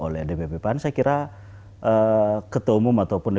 nah kalau pertanyaannya adalah apakah ini diketahui oleh ketua umum atau dpp pan